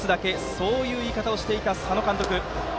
そういう言い方をしていた佐野監督。